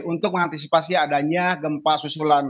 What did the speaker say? untuk mengantisipasi adanya gempa susulan